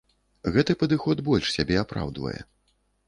Гэты падыход больш сябе апраўдвае.